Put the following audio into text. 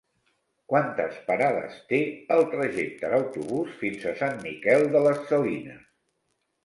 Quantes parades té el trajecte en autobús fins a Sant Miquel de les Salines?